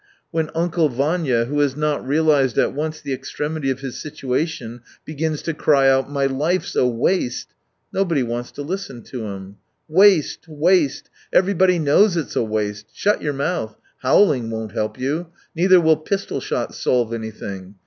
When Uncle Vanya, who has not realised at once the extremity of his situation, begins to cry out :" My life's a waste !" nobody wants to listen to him. " Waste, waste ! Every body knows it's a waste ! Shut your mouth, howling won't help you : neither will pistol shots solve anything.